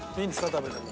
食べても。